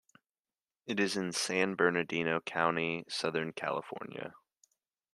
It is in San Bernardino County, Southern California.